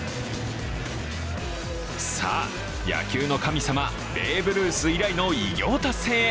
さあ、野球の神様、ベーブ・ルース以来の偉業達成へ。